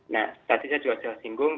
nah tadi saya juga sudah singgung